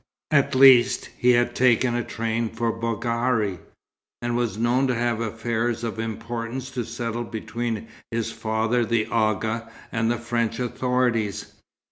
At least, he had taken train for Bogharie, and was known to have affairs of importance to settle between his father the Agha, and the French authorities.